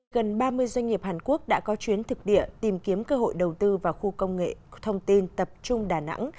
gần ba mươi doanh nghiệp hàn quốc đã có chuyến thực địa tìm kiếm cơ hội đầu tư vào khu công nghệ thông tin tập trung đà nẵng